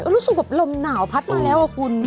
รู้สึกกับลมหนาวพัดมาแล้วครู